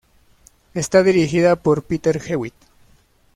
Esta dirigida por Peter Hewitt.